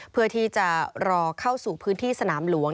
เพื่อที่จะรอเข้าสู่พื้นที่สนามหลวง